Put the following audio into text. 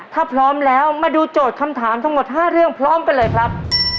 ถ้าพร้อมแล้วมาดูโจทย์คำถามทั้งหมด๕เรื่องพร้อมกันเลยครับ